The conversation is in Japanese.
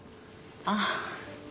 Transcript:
ああ。